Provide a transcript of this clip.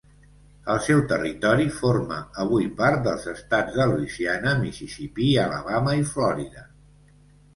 El seu territori forma avui part dels Estats de Louisiana, Mississipí, Alabama i Florida.